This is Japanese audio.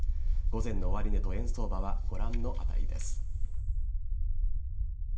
午前の終値と円相場はご覧の値です。